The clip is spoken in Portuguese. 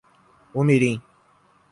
Umirim